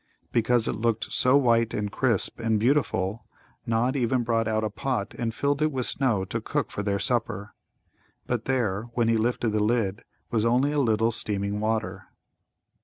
Because it looked so white and crisp and beautiful Nod even brought out a pot and filled it with snow to cook for their supper. But there, when he lifted the lid, was only a little steaming water.